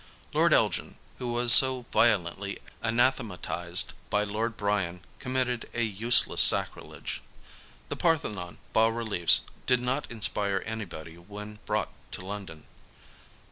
Lord Elgin, who was so violently anathematized by Lord Byron, committed a useless sacrilege. The Parthenon bas reliefs did not inspire anybody when brought to London.